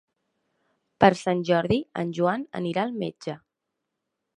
Per Sant Jordi en Joan anirà al metge.